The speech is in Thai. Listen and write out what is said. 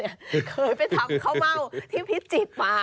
เคยไปทำข้าวเม่าที่พิจิตรมา